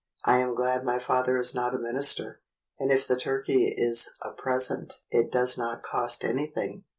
I am glad my father is not a minister, and if the turkey is a present it does not cost anything.